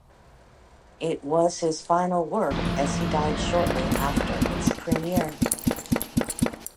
It was his final work as he died shortly after its premiere.